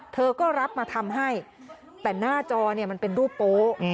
เธอก็รับมาทำให้แต่หน้าจอเนี่ยมันเป็นรูปโป๊ะ